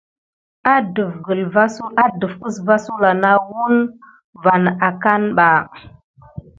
Adef gəlva sulà nà wune akane ɓa.